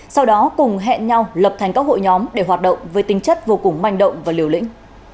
sau đó cùng hẹn nhau lập thành các hội nhóm để hoạt động với tinh chất vô cùng manh động và liều lĩnh